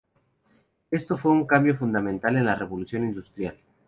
Esto fue un cambio fundamental en la revolución industrial.